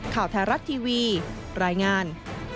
ข่าวไทยรัฐทีวีรายงาน